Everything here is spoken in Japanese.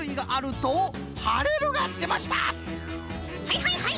はいはいはい！